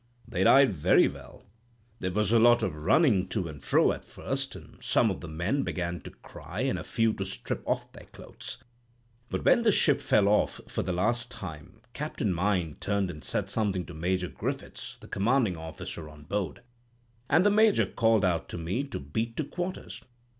"'They died very well. There was a lot of running to and fro at first, and some of the men began to cry, and a few to strip off their clothes. But when the ship fell off for the last time, Captain Mein turned and said something to Major Griffiths, the commanding officer on board, and the Major called out to me to beat to quarters.